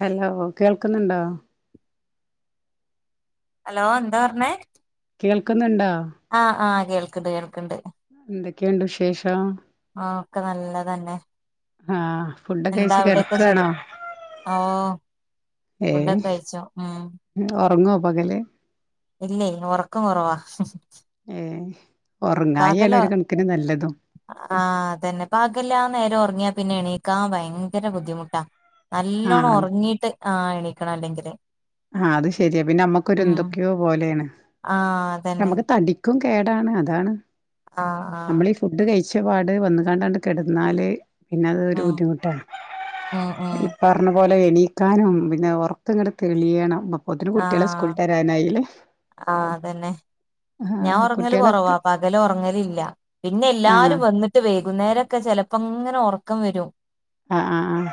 Hello കേൾക്ക്ന്നുണ്ടോ? Hello എന്താറഞ്ഞെ? കേൾക്ക്ന്നുണ്ടോ? ആ ആഹ് കേൾക്ക്ണ്ട് കേൾക്ക്ണ്ട്. എന്തക്കെയുണ്ട് വിശേഷം? ആ ക്കെ നല്ലതന്നെ. ആ ഫുടൊക്കെ എന്താ കഴിച്ച് അവിടെക്കെ കെടക്കാണോ സുഖം ഓ ഏ ഫുഡൊക്കെ കഴിച്ചു ഉം ഒറങ്ങുവോ പകല്? ഇല്ലേ ഒറക്കം കൊറവാ. ഏ ഉറങ്ങായിയാണ് ഒരു പകലൊർ കണക്കിന് നല്ലതും ആ അതെന്നെ പകലാനേറൊങ്ങിയ പിന്നെണീക്കാൻ വയങ്കര ബുദ്ധിമുട്ടാ. നല്ലോണം ആഹ് ഒറങ്ങിട്ട് ആ ണീക്കണല്ലെങ്കില്. ആ അത്ശെരിയാ പിന്നെ മ്മക്കൊരു എന്തക്കയോ പോലെയാണ് ആഹ് അതന്നെ നമ്മക് തടി ക്കും കേടാണ് അതാണ്. ആഹ് ആഹ് നമ്മളീ ഫുഡ്‌ കഴിച്ച് പാട് വന്ന്‌ക്കാണ്ടങ്ട് കെടന്നാല് പിന്നതൊരു ഉം ബുദ്ധിമുട്ടായി ഉം ഉം ഇപ്പർണ പോലെ എണീക്കാനും പിന്നെ ഒർക്കങ്ട് എളിയണ മ അപ്പോത്തെനും കുട്ടിയള സ്ക്കൂള് വിട്ട് വരാനായിലെ ആ അതന്നെ ഞാ ഒറങ്ങല് കൊറവ കുട്ടികളൊക്കെ പകല് ഒറങ്ങലില്ല പിന്നെ ആഹ് എല്ലാരും വന്നിട്ട് വൈകുനേരൊക്കെ ചെലപ്പോ ഇങ്ങനെ ഒറ റക്കം വരും അ അ ആഹ്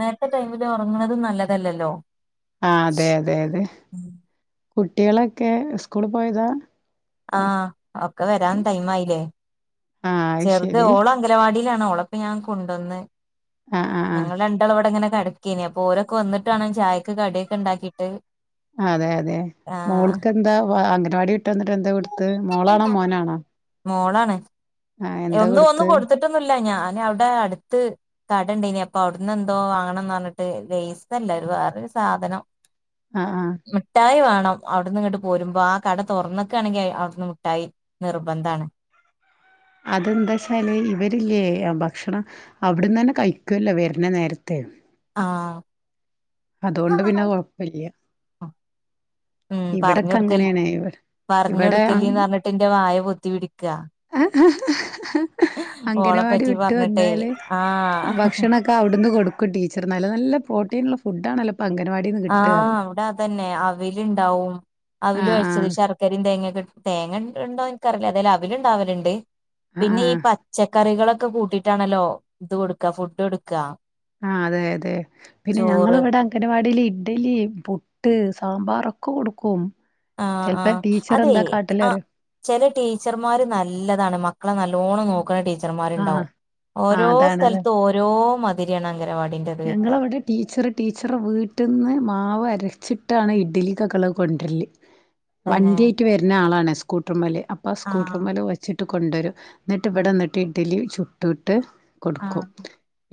നേരത്തെ ടൈമില് ഒറങ്ങണതും നല്ലതല്ലല്ലോ. ആ അതെ അതെ ഉം കുട്ടിയളൊക്കെ സ്കൂള് പോയതാ? ആഹ് ഓക്കേ വരാൻ ടൈം അയിലെ ആ അത് ചെറുത് ശരി ഓള് അംഗനവാടി ലാണ് ഓള് അപ്പോ ഞാൻ കൊണ്ടന്ന് ആ ആ ഞങ്ങൾ രണ്ടാള് ഇവിടെ ഇങ്ങനെ കേട [unintelligible] അപ്പൊ ഒരൊക്കെ വന്നിട്ട് വേണം ചായക്ക് കടിയൊക്കെ ഇണ്ടാക്കിട്ട് അതെ അതെ മോൾക്ക് എന്താ വ അങ്ങ [unintelligible] [unintelligible] വന്നിട്ട് എന്താ കൊടുത്തെ മോളാണ? മോനാണ? മോളാണ് ഒന്നു ഒന്നും കൊടുത്തിട്ടൊന്നു [unintelligible] ഞാൻ അവിടെ അടുത്ത് കട ഇൻണ്ടെനി അവിടെന്ന് എന്തോ വാങ്ങണെന്ന് പറഞ്ഞിട്ട് ലൈസല്ല വേറെ ഒരു സാധനം ആ ആ മിട്ടായി വാ അവി അവിടെന്ന് ഇങ്ങട് പോരുമ്പോ ആ കട തോറന്ന്ക്കാണെങ്കി അവിടെന്ന് മിട്ടായി നിർബന്ധണ്. അത് എന്താച്ചാല് ഇവരില്ലേ ഭക്ഷണം അവിടുന്നന്നെ കയിക്കുലോ വരണ നേരത്ത്. ആ അതോണ്ട് പിന്നെ കൊഴപ്പില്യ. ഉം പറഞ്ഞോടുക്ക ഇവിടെ പറഞ്ഞോടുക്കല്ലി പറഞ്ഞിട്ട് എന്റെ വായ പൊത്തി പിടിക്ക. അംഗനവാടി വിട്ട് പറഞ്ഞിട്ടേ വന്നാല് ആഹ് ഭക്ഷണൊക്കെ അവിടെന്ന് കൊടുക്കും ടീച്ചർ. നല്ല നല്ല പ്രോട്ടീൻ ഉള്ള ഫു ഫുഡ് ആണല്ലോ ആ അവിടെ അതന്നെ അവില് ഇണ്ടാവും, അവില് ആഹ് കൊഴച്ചത് ശർക്കരയും, തേങ്ങയൊക്കെ ഇട്ട് തേങ്ങ ഇൻ ഇണ്ടോ എനിക്കാറില്ല എന്തായാലും അവില് ഇണ്ടാവലിണ്ട്. ആഹ് ആഹ് പിന്നെ ഈ ആഹ് പച്ചക്കറികളൊ ക്കെ കൂട്ടിട്ടാണല്ലോ ഇത് കൊടുക്ക ഫുഡ് കൊടുക്ക. ആ അതെ അതെ പിന്നെ ഞങ്ങള് ചോറ് ഇവിടെ അങ്കനവാടിയിൽ ഇഡലി, പുട്ട്, സാമ്പാറൊക്കെ കൊടുക്കും. ആ ആ ചെലപ്പോ ടീച്ചർ അതെ എന്താ ആ കാട്ടലറിയോ ചില ടീച്ചർമാര് നല്ലതാണ് മക്കളെ നല്ലോണം ക്ക്ല്ലെ ആഹ് ടീച്ചർമാരുണ്ടാവും ഓരോ സ്ഥലത്തും ഓരോ മതിരിയണ്. ഞങ്ങളവടെ ടീച്ചറ് ടീച്ചറെ വീട്ട്ന്ന് മാവ് അരച്ച ഇട്ടാണ് ഇഡ്ലി കക്കുളത്ത് കൊണ്ടുവരല് തന്നെ വണ്ട്യേയിട്ട് വരുന്ന ആളാണ് സ്കൂട്ടർ മല്. അപ്പ സ്കൂട്ടർ ആഹ് മലവച്ചി കൊണ്ടൊരും. ങ്ങട്ട് ഇവടെ ആഹ് വന്നിട്ട് ഇഡ്ലി. ചുട്ട് ട്ട് കൊടുക്കും. ആഹ്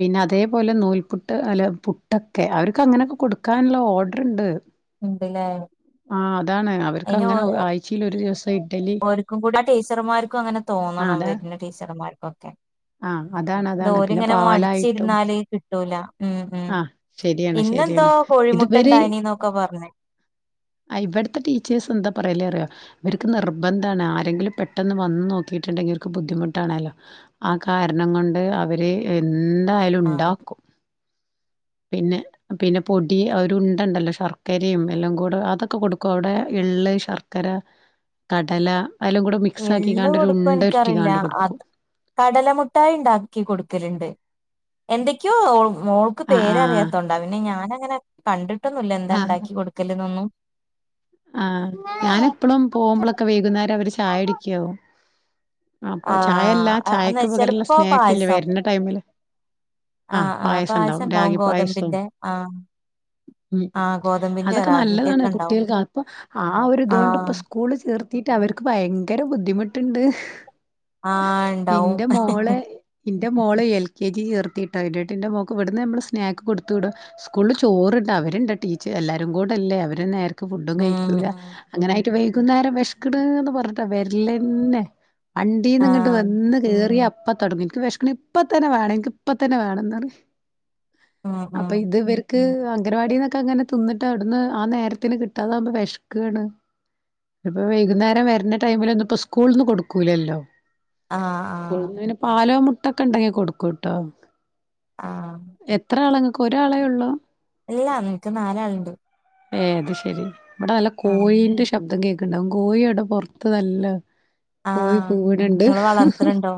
പിന്നെ അതേപോലെ നൂൽ പുട്ട് അല്ല പുട്ടൊക്കെ അവർക്ക് അങ്ങനെയൊക്കെ കൊടുക്കാല്ലൊ ഓഡറ് ഇണ്ട്. ഉണ്ട്ല്ലേ ആ അതാണ് അവർക്ക് അങ്ങനെ ആഴ്ചയിൽ ഒരു ദിവസം [unintelligible] ഒര്ക്കു കൂടെ ആ ടീച്ചർമാർക്കും അങ്ങനെ ആഹ് തോന്നണം അതാ വരുന്ന ടീച്ചർമാർക്കുക്കെ ആഹ് അതാണ് ഇത് അതാണ് പിന്നെ ഓര്ങ്ങനെ പാലായിട്ടും മടിച്ചിര്ന്നാല് കിട്ടൂല. ഉം ഉം ആഹ് ശരിയാണ് ഇന്നെന്തോ ശരിയാണ് ഇത് കോഴിമുട്ട ഇവര് ഉണ്ടായിനിന്നൊക്കെ പറഞ്ഞ് അ ഇവിടുത്തെ ടീച്ചേഴ്സ് എന്താ പറയല്ലേറിയ അവർക്ക് നിർബന്ധാണ് ആരെങ്കിലും പെട്ടെന്ന് വന്ന് നോക്കിട്ടുണ്ടെങ്കിൽ അവർക്ക് ബുദ്ധിമുട്ടാണല്ലോ ആ കാരണം കൊണ്ട് അവര് എ ന്തായാലും ആഹ് ഉണ്ടാക്കും പിന്നെ പിന്നെ പൊടി അഒരുണ്ടണ്ടല്ലോ ശർക്കരിം എല്ലാം കൂടെ അതൊക്കെ കൊടുക്കോ ഔടെ എള്ള്, ശർക്കര, കടല. എല്ലാം കൂടെ മിക്സ് എള്ള് ആക്കിക്കാണ്ട് ഒരു ഉണ്ട കൊടുക്കോന്നനിക്കറില്ല ഉരുട്ടിക്കാണ്ട് കൊടുക്കും അത് കടല മുഠായി ഇണ്ടാക്കി കൊടുക്കല്ണ്ട്. എന്തെക്കായോ? മോൾക്ക് ആഹ് ആഹ് പേരറിയാത്തേണ്ടാ പിന്നെ ഞാന അങ്ങനെ കണ്ട്. ട്ടെന്നുല്ല എന്താ ഇണ്ടാക്കി കൊടുക്കല് ലെന്നും എന്നൊന്നും ആ ഞാൻ എപ്പളും പോമ്പളൊക്കെ വൈകുന്നേരം അവര് ചായടിക്കാവും അപ്പോ ചായയല്ല ആഹ് എന്ന് ചായക്ക് വെച്ചാല് പകരള്ള ഇപ്പോ സ്നാക്ക്ല്ലോ പായസം വര്ണ ടൈമില് ആ ആഹ് ആഹ് പായസം ഇണ്ടാവും ഉണ്ടാവും രാഗി പായസം ഗോതമ്പിന്റെ ആഹ് ഉം ആഹ് ഗോതമ്പിന്റെ അതൊക്കെ റാഗിന്റെ നല്ലതാണ് ഒക്കെ ഉണ്ടാവും കുട്ട്യോക്ക് ആ ഒരു ഇതോണ്ട് ആഹ് സ്കൂള് തീർത്തീട്ട് അവർക്ക് ഭയങ്കര ബുദ്ധിമുട്ടുണ്ട് ആ ഇണ്ടാവും. എന്റെ മോൾ എൽകെജി ചേർത്തിയിട്ട എന്റെ മോൾക് ഇവിടുന്ന് നമ്മൾ സ്നാക്ക് കൊടുത്തൂ വിടും സ്കൂളിൽ ചോറുണ്ട് അവരുണ്ട് ടീച്ചർ എല്ലാവരും കൂടെ ഇല്ലേ അവർ നേർക്കൂ ഫുഡ് ഉം കഴിക്കൂല. ഉം അങ്ങനെ ട്ട് വൈകുനേരം വേഷ്ക്കണ്ന്ന് പറഞ്ഞിട്ട വേരലന്നേ ആൻഡിന്ന് ഇങ്ങട്ട് ആഹ് വന്ന് കേറി അ പ്പോ തുടങ്ങു എനിക്ക് വെഷക്ക്ണ് ഇപ്പത്തന്നെ വേണം എനിക്ക് ഇപ്പത്തന്നെ വേണം എന്ന് പറയും ഉം ഉം അപ്പൊ ഇതുവര്ക്ക് അംഗനവാടി എന്നൊക്കെ അങ്ങനെ തിന്നിട്ട് അവ്ട്ന്ന് അനേരത്തിന് കി തന്നമ്മേ വെശക്കാണ് വൈകുന്നേരം വരുന്ന ടൈമിൽ സ്കൂള്ന്ന് കൊടുക്കല്ലലോ ആഹ് ആഹ് സ്കൂളിന്ന് പിന്ന പാലോ മു തൊക്കെ ഉണ്ടാക്കി കൊടുക്കൂട്ടോ ആഹ് എത്ര നാള് ഇങ് കോരാളെ ഉള്ളൂ എല്ലാ നമ്മുക് നാല് അളിണ്ട് മ് അത് ശെരി ഇവിടെ നല്ല കോഴിന്റെ ശബ്ദം കേൾ ണ്ടാവും കോഴിയുടെ പുറത്ത് നല്ല കോഴി ആഹ് കൂവുനിൻഡ് നിങ്ങള് വളർത്തണുണ്ടോ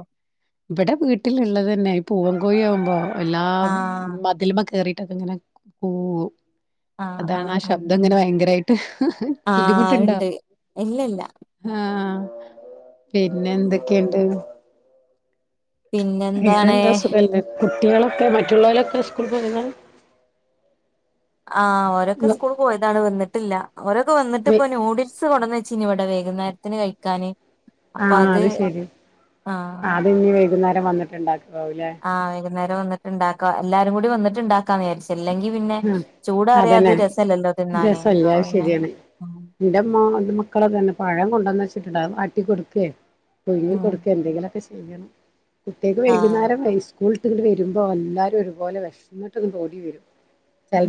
ഇവിടെ വീട്ടിലുള്ളത് തന്നെ പൂവൻകോഴി ആകുമ്പോ എല്ലാം ആഹ് മതില്മ കേറി എട്ങ്ങനെ കൂവൂം ആഹ് അതാണ് ആഹ് ആ ആഹ് ശബ്ദം ഇങ്ങനെ ഭയങ്കര [unintelligible] ആഹ് ബുദ്ധിമുട്ടുണ്ടോ ഉണ്ട് ഇല്ലല്ല ആ [inaudible] പിന്നെ ഉം എന്തൊക്കെയുണ്ട് വേറെ പിന്നെന്താണ് എന്താ സുഖല്ലേ നിങ്ങളൊക്കെ മറ്റുള്ളവരൊക്കെ സ്കൂളിൽ പോയിന്ന ആ അവരൊക്കെ സ്കൂളിൽ പോയതാണ് വന്നിട്ടില്ല അവരൊക്കെ വന്നിട്ട്പ്പോ നൂഡിൽ സ് കൊണ്ടെച്ചിന് ഇവിടെ വൈകുന്നേരത്തിന് വെക്കാനെ ആ അത് ശരി ആഹ് അത് ഇനി വൈകുന്നേരം ടെ വന്നിട്ടീണ്ടാ ഓ പിന്നെ എല്ലാരൂ വന്നിട്ടുണ്ടാക്കാം എല്ലാവരും കൂടി വന്നിട്ടുണ്ടാക്കാ വിചാരിച് ആ അത് തന്നെ രസല്ലല്ലോ തിന്നാന് രസം അല്ലെ അപ്പൊ അത് പിന്നെ ശരിയാണ് എന്റെ മോ മക്കളക്കെ ആണേ പഴം കൊണ്ട് തന്നയച്ചിട്ടുണ്ടാവും ആട്ടി കുറുക്കുകയോ നെയ്യിൽ ഉം കുറുക്കുകയോ എന്തെങ്കിലും ഒക്കെ ചെയ്യും ചെയ്യണം. കുട്ട്യേക്ക് ആഹ് വെയ്കുന്നേരം വെയിസ് കൂൾ വിട്ട് ഇങ്ങോട്ട് വരുമ്പോ എല്ലാരും ഒരുപോലെ വെശന്നിട്ട് ഇങ്ങോട്ട് ഓടി വെരും.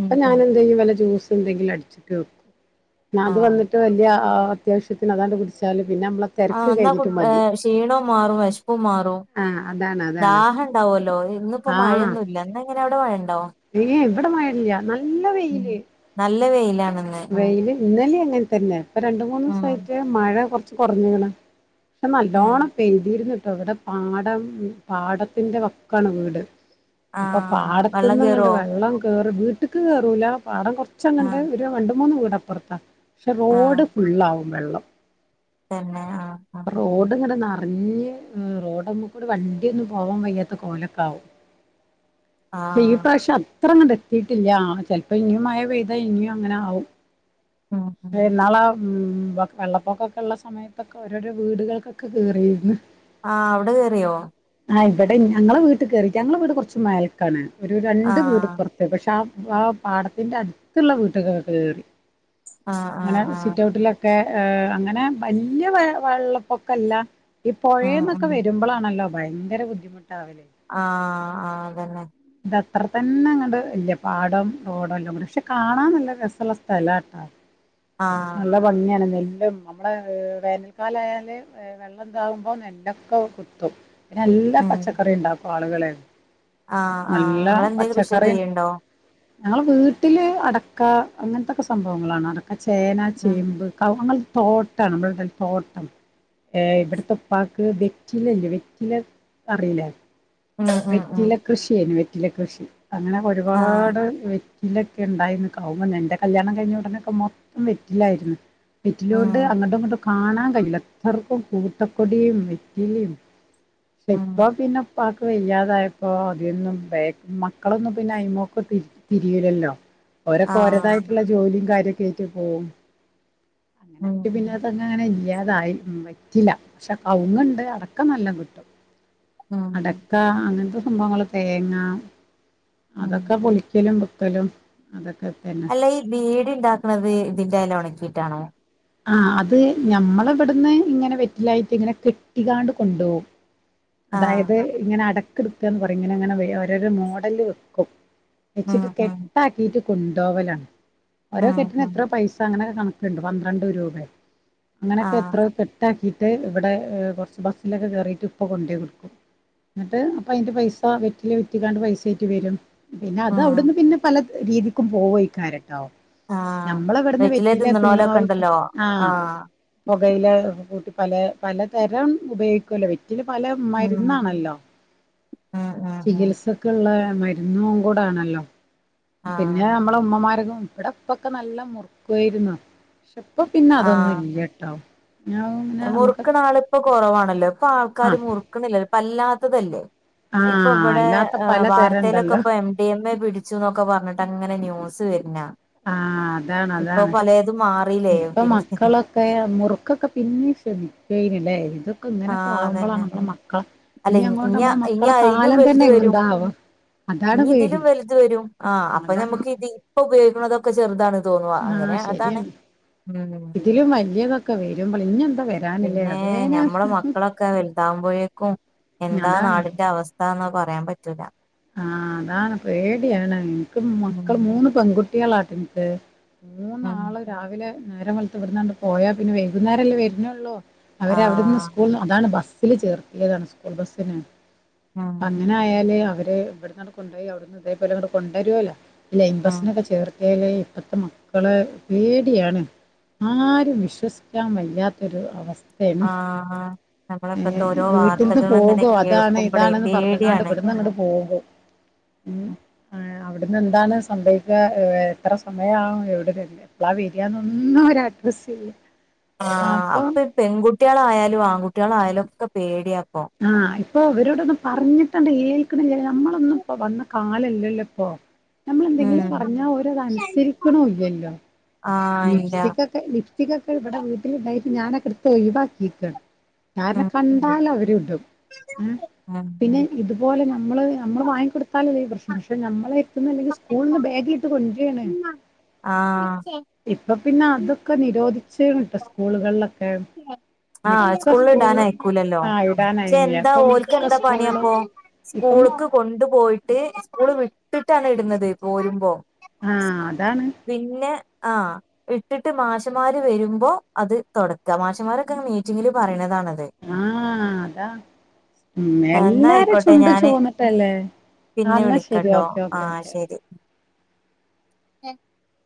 ഉം ഞാൻ ഉം എന്തു ചെയ്യും വല്ല ജ്യൂസ്‌ എന്തെങ്കിലും അടിച്ചിട്ട് വെക്കും. ഞാൻ അത് ആഹ് വന്നിട്ട് വലിയ ആഹ് അത്യാവശ്യത്തിന് അതാണ്ട് കുടിച്ചാല് പിന്നെ നമ്മളെ ആഹ് തിരക്ക് എന്നാ കഴിഞ്ഞിട്ട് കുട്ട് മതി ക്ഷീണോം മാറും വെശപ്പും മാറും ആഹ് അതാണ് അതാണ് ദാഹം ഉണ്ടാവല്ലോ ഇന്നിപ്പോ ആഹ് മഴയൊന്നുല്ല [unintelligible] അവിടെ മഴയ് [inaudible] ഇവിടെ മഴയില്ല നല്ല വെയില് നല്ല വെയില് ആണ്. വെയില് ഇന്നലെ ആണ് ഇങ്ങനെത്തന്നെ ഇപ്പൊ രണ്ട് ഉം മുന്നൂസായിട്ട് മഴ കുറച്ച് കുറഞ്ഞുണ് ഇപ്പം ഉം നല്ലോണം പെയതീരുന്നു ഇവിടെ പാടം പാടത്തിന്റെ വക്കാണ് വീട്. ഇപ്പോ ആഹ് വെള്ളം പാടത്തുന്നിങ്ങട് കേറോ വെള്ളം കേറി വീട് വീട്ടുക്ക് കേറൂല പാടം കൊറച് കൊച്ചു വന്നൊണ്ട് ആഹ് വീഡിയോ കണ്ടും മൂന്ന് വീടപ്പുറത്താ പക്ഷേ ആഹ് റോഡ്‌ ഫുൾ ആവും വെള്ളം തന്നെ ആഹ് ആഹ് റോഡ്‌ ഇങ്ങനെ ന വല്യ ആഹ് റോഡ്‌മ്മെക്കൂടെ വണ്ടി ഒന്നും പോകാൻ വയ്യാത്ത കോലക്കാവും ശേ ഈ ആഹ് പ്രാവശ്യം അ ഇത്രങ്ങട് എത്തീട്ടില്ല ചെലപ്പോ ഇനീം മഴ പെയ്താ ഇനിയും അങ്ങനെ ആവും. ഉം ഉം ടെ ഇന്നാളാ വെള്ളപ്പൊക്കം ഒക്കെ ഉള്ള സമയത്തൊക്കെ ഓരോരോ വീടുകൾക്കൊക്കെ കേറിന്ന് ആഹ് അവിടെ കേറിയോ? ആഹ് ഇവിടെ ഞങ്ങള് വീട്ടുക്ക് കേറീല ഞങ്ങടെ വീട് കുറച്ചു മേലേക്കാണ് ഒരു രണ്ട് ആഹ് വീട്പ്പറത്ത് പക്ഷേ ആ വാ പാടത്തിന്റെ അടുത്ത്ള്ള വീട്ട്ക്ക് കേറി ആഹ് ആഹ് ങ്ങളെ ആഹ് സിറ്റൗട്ടിൽ ഒക്കെ ഏ അങ്ങനെ വല്യ വെള്ളപ്പൊക്കല്ല ഉം ഇപ്പോഴെന്നൊക്കെ ഉം വരുമ്പോളാണല്ലോ ഭയങ്കര ബുദ്ധിമുട്ടാവല് അ ആ അതെന്നെ അത്രതന്നെങ്ങട്ടില്ല പാടം റോഡ് ല്ലാംകൂടി പക്ഷേ കാണാൻ നല്ല രസല്ല സ്ഥലാട്ടോ. ആഹ് നല്ല ഭംഗിയാണ് നെൽ [unintelligible] നമ്മളെ വേനൽക്കാലിയാല് വെള്ളതാവുമ്പോ നെല്ലൊക്കെ കുത്തും ഞല്ല പച്ചക്കറി ഉണ്ടാകും അള്കളെ ആ ആ ആങ്ങളെന്തെങ്കിലും കൃഷിയൊക്കെ ചെയ്യണ്ടോ ഞങ്ങളെ വീട്ടില് അടക്ക അങ്ങനത്തെക്കെ സംഭവങ്ങളാണ് അതക്കെ ചേന ഉം ചേമ്പ് കൗ തോട്ടാണ് [unintelligible] തോട്ടം ഇമ്പട്ത്തെ പ്പാക്ക് വെറ്റിലല്ലേ വെറ്റില അറില്ലേ ഉം ഉം ഉം വെറ്റില കൃഷിയേനി വേ റ്റില കൃഷി അങ്ങനെ ആഹ് ഒരുപാട് വേ ഇ ലോകെഉണ്ടായിരുന്ന കൗങ്ങാക്കെ എന്റെ കല്യാണം കഴിഞ്ഞ ഉടനെ ക്കെ മൊത്തം വെറ്റിലായിരന്ന് ഉം വെറ്റിലൊണ്ട് അങ്ങോട്ടുങ്ങോട്ടും കാണാൻ ൽല്ല [unintelligible] കൂർത്ത കൊടി വെറ്റിലിം ഉം ഷേപ്പോ പിന്നെ പാക് പ്പ ഇല്ലാതായപ്പോൾ മതിയൊന്നും ബാക്ക് മക്കളെന്നുംപിന്നെ അയ്മക്ക് തിരി തിരിയൂല്ലല്ലോ ഒരെക്കെ ആഹ് ഓരതായിട്ടുള്ള ജോലിയും കാര്യം കേ യിട്ട് പോവും ഉം പിന്നങ്ങട്ട് ഉം പിന്നെ തങ്ങനെ ഇല്ലാ ദായി വെറ്റില ക്ഷേ കവുങ്ങ് ഉണ്ട് അടക്ക നല്ലോ കിട്ടും ഉം ആ അങ്ങനത്തെ സംഭവങ്ങൾ തേങ്ങ ഉം അതൊക്കെ പൊളിക്കലും തലും അത അല്ല ഈ വീഡി ണ്ടാക്കുന്നത് ഇതിന്റെല ഒണക്കി റ്റാണോ ആ അത് ഞമ്മളിവിടുന്ന് ഇങ്ങനെ വെറ്റിലയായിട്ട് ഇങ്ങനെ കെട്ടിക്കാണ്ട് കൊണ്ടുപോവും. ആഹ് അതായത് ഇങ്ങനെ അട ക്ക് എടുക്കാന്നുപറയും ഇങ്ങനങ്ങനെ ഓരോരോ മോഡല് വെക്കു. ഉം വെച്ചിട്ട് ഉം കെട്ടാക്കിട്ട് കൊണ്ടോവലാ ഓരോ ഉം കെട്ടിന് ഉം എത്ര പൈസ അങ്ങനെ കണക്കുണ്ട്. പന്ത്രണ്ട് രൂപയാ. അങ്ങനൊക്കെ ആഹ് എത്രയോ കെട്ടാക്കി ട്ട് ഇവിടെ കുറച്ച് ബസിലൊക്കെ കേറീട്ട് പ്പോ കൊണ്ടുപോയി കൊടുക്കും. അന്നിട്ട് അപ്പൊ അയിന്റെ പൈസ വിറ്റിലേ വിറ്റക്കാണ്ട്പൈസയ്ക്ക് വരും. പിന്നെ അത് ഉം അവിടുന്ന് പിന്ന പല രീതിക്കും പോവു ഈകാരട്ടെ ആ വെറ്റില തിന്നണോലെക്കെ ഇണ്ടല്ലേ? ആഹ് കയില കൂട്ടി പല പല തരം ഉപയോഗിക്കുവല്ലോ വെറ്റ് റ്റില പല ഉം മരുന്നാണല്ലോ? ഉം ഉം ഉം ചികിൽസക്ക്ള്ള മരുന്നും കൂടാണല്ലോ? പിന്നെ ആഹ് നമ്മളെ ഉമ്മമാര്ക്കും ഇവിടെ ഉപ്പക്കെ നല്ല മുറുക്കുവായിരുന്നു. ഇപ്പം പിന്നെ ആഹ് അതൊന്നുല്ല്യാട്ടോ. മുറുക്കണ ആള് ഇപ്പ കുറവാണ്. ഇപ്പം ആൾക്കാര് ആഹ് മുറുക്കണില അല്ലാത്തതല്ലേ? ഇപ്പം ആഹ് ഇവിടെ അല്ലാത്ത ഏ പലതരം വാർത്തയിലൊക്കെ ഉണ്ടല്ലോ ഇപ്പം എം ഡി എം എ പിടിച്ചു എന്ന് ഒക്കെ പറഞ്ഞിട്ട് അങ്ങനെ ന്യൂ സ് വേര്ന ആ അതാണ് അതാണ് മാറില്ലേ മു ഇപ്പം പിന്നെ മക്കളൊക്കെ മുറുക്കൊക്കെ പിന്നെ തിനും പെയിനിലേവ് ഇതൊക്കെ ഇങ്ങനൊക്കെ ആവുമ്പളാണ് നമ്മടെമക്കളേ അല്ലേ ഇനിയാ ഇനിയാ അയിലും വലുത് വരും എന്താവാ അതാണ് ഇനി പേടി ഇതിലും വലുത് വരും ആ അപ്പം അതാണ് ഞമ്മക്ക് ഇതിൽ ഇപ്പം കഴികനതൊക്കെ ചെറുതാണ്. തോന്നുവാഅങ്ങനെ ആഹ് അതാണ് ശരിയാണ് ക്കെ വരുമ്പളേ ഇനി പിന്നെ ഞമ്മടെ മക്കളൊക്കെ വലുതാമ്പുഴേ കും എന്താ അതാണ് നാടിൻ്റെ അവസ്ഥാന്ന് പറയാൻ പ റ്റൂല ആഹ് അതാണ് പേടിയാണങ്ങ് [unintelligible] ഉം മക്കള് മൂന്ന് പെൺകു ട്ടികളാട്ടമിട്ട് മൂന്ന് ഉം ആള് രാവിലെ നേരം വെളുത്ത് ഇവിടന്നങ്ങ് പോയ പിന്നെ വൈകുന്നേരല്ലേ വരണൊള്ളൂ അവരവിടന്ന് ആഹ് സ്‌കൂൾന്ന് അതാണ് ബസ് ത്തില് ചേർത്തിയതാണ് സ്കൂൾ ബസന്നയാണ് ഉം അങ്ങനെയായില് അ തെ ഇവിടന്നങ് കൊണ്ടോയി അവിടെന്ന് ഇതേപോലെ വന്ന് കൊണ്ടരുലാ [unintelligible] [unintelligible] ഉം ഇപ്പത്തെ മക്കളെ പേടിയാണ് ആരും വിശ്വസിക്കാൻ വയ്യാത്തൊരു അവസ് ആഹ് അ നമ്മളിപ്പത്തെ ഓരോ വീട്ടിൽന്ന് വാർത്തകളങ്ങനെ പോകും അതാണ് കേൾക്കുമ്പളേ ഇതാണെന്ന് പറഞ്ഞ്ങ്ങാണ്ട് പേടിയാണ് [unintelligible] ഉം ആ അവിടന്ന് എന്താണ് സംഭവിക്കാ എത്ര സമയാവും എവിട എപ്പളാ വരാനൊന്നും ഒരഡ്രസ്സില്ലാ ആ അപ്പെ പെൺകുട്ടികളായാലും ആൺകു ട്ടികളായാലൊക്കെ പേടിയാ ആ ഇപ്പ അവരോടൊന്നും പറഞ്ഞിട്ടണ്ട് ഏൽക്കിണില്ല നമ്മളൊന്നും ഇപ്പം വന്ന കാലല്ലല്ലോ ഇപ്പോ നമ്മളെന്തെങ്കിലും പറഞ്ഞാ ഓരത് അനുസരിക്കണുല്ലല്ലോ ആഹ് ഇല്ല ലിപ്സ്റ്റികെക്കെ ലിപ്സ്റ്റികെക്കെ ഇവിടെ വീട്ടിലിണ്ടായിട്ട് ഞാനെക്കെടുത്ത് ഒഴിവാ ക്കിക്കാ താരനെ ഉം കണ്ടാലവര് ഇടും ഉം ഉം പിന്നെ ഇതുപോലെ ഞാ മ്മള് മ്മള് വാങ്ങികൊടുത്താലല്ലേ ഈ പ്രശ്‌നം പക്ഷേ നമ്മ- ള് എത്തുന്നില്ലെങ്കി സ്‌കൂളിന്ന് ബാഗിലിട്ട് കൊണ്ടെരേണ് ആഹ് പ്പ പിന്നെ അതെക്കെ നിരോധിച്ച് വിട്ട് സ്കൂളുകളില് ആ സ്‌കൂളിലിടാനായക്കുലല്ലോ ആഹ് ഇടാനായിനി ചെന്താ അപ്പം ഓൾക്ക് മിക്ക എന്താ പണി സ്കൂളിലും അപ്പോ ഇപ്പം സ്കൂൾക്ക് കൊണ്ട് പോയിട്ട് സ്കൂള് വിട്ടിട്ടാണ് ഇടുന്നത് പോരുമ്പോ ആഹ് അതാണ് പിന്നെ ആ വിട്ടിട്ട് മാഷ്‌മാര് വരുമ്പോ അത് തൊട ത മാഷ്‌മാരെക്കെ മീറ്റിങ്ങില് പറയണതാണ് ആ അതാ ഉം എന്നാ എല്ലാര ആയിക്കോട്ടെ ചുണ്ടും ഞാന് ചോന്നിട്ടല്ലെ ആ പിന്നെ ന്നാ ശരി വിളിക്കാട്ടോ ഓക്കേ ഓക്കേ ആഹ് ഓക്കേ ശരി [unintelligible]